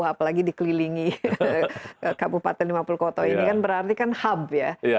apalagi dikelilingi kabupaten lima puluh kota ini kan berarti kan hub ya